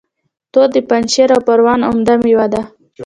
توت د پنجشیر او پروان عمده میوه ده